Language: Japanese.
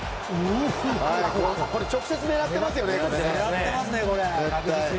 直接狙ってますよね。